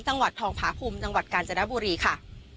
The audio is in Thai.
จังหวัดทองผาภูมิจังหวัดกาญจนบุรีค่ะ